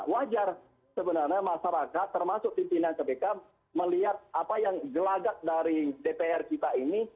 wajar sebenarnya masyarakat termasuk pimpinan kpk melihat apa yang gelagak dari dpr kita ini